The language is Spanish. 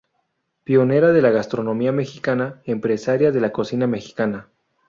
Pionera de la Gastronomía Mexicana empresaria de la cocina mexicana.